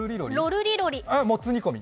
もつ煮込み！